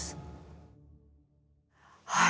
はい。